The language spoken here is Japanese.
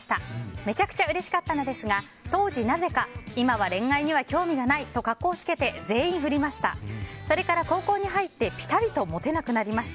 めちゃくちゃうれしかったのですが当時なぜか今は恋愛に興味がないと格好つけて全員ふりました。